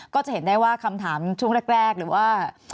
ก็จะเห็นได้ว่าคำถามช่วงแรกหรือว่า